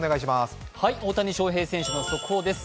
大谷翔平選手の速報です。